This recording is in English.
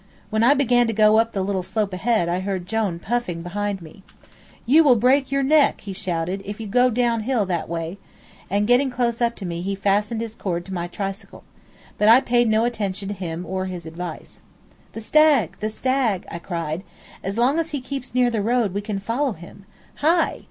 When I began to go up the little slope ahead I heard Jone puffing behind me. "You will break your neck," he shouted, "if you go down hill that way," and getting close up to me he fastened his cord to my tricycle. But I paid no attention to him or his advice. "The stag! The stag!" I cried. "As long as he keeps near the road we can follow him! Hi!"